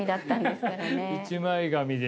一枚紙で。